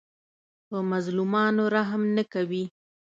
په مظلومانو رحم نه کوي.